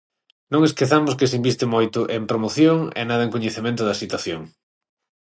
Non esquezamos que se inviste moito en promoción e nada en coñecemento da situación.